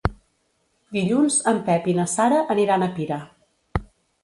Dilluns en Pep i na Sara aniran a Pira.